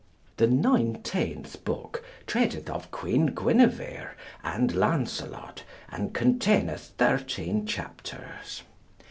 The nineteenth book treateth of Queen Guinevere, and Lancelot, and containeth 13 chapters.